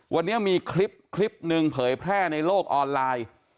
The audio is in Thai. วันนี้มีคลิปคลิปหนึ่งเผยแพร่ในโลกออนไลน์